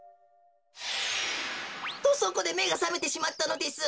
とそこでめがさめてしまったのです。